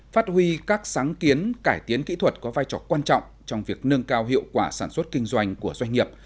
phát huy các sáng kiến cải tiến kỹ thuật có vai trò quan trọng trong việc nâng cao hiệu quả sản xuất kinh doanh của doanh nghiệp